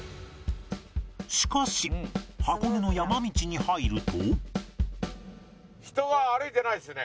しかし箱根の山道に入ると